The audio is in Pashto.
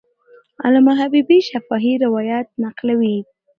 علامه حبیبي شفاهي روایت نقلوي.